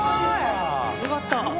よかった。